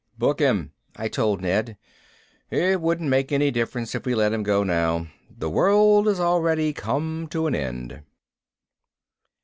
"Book him," I told Ned. "It wouldn't make any difference if we let him go now. The world has already come to an end."